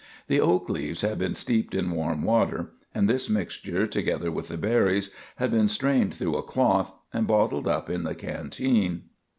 The oak leaves had been steeped in warm water, and this mixture, together with the berries, had been strained through a cloth and bottled up in the canteen.